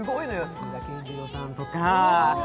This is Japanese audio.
津田健次郎さんとか。